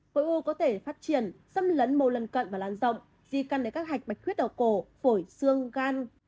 phối u có thể phát triển xâm lấn mô lần cận và lan rộng di căn đến các hạch mạch khuyết đầu cổ phổi xương gan